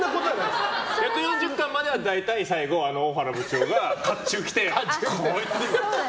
１４０巻までは大体大原部長が甲冑着て。